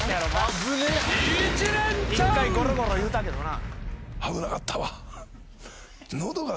１回ゴロゴロいうたけどな。